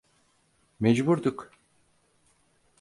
Mecburduk.